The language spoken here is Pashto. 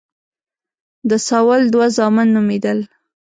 د ساول دوه زامن نومېدل.